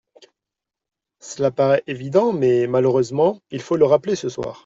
Cela paraît évident mais, malheureusement, il faut le rappeler ce soir.